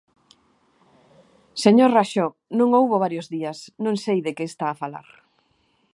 Señor Raxó, non houbo varios días, non sei de que está a falar.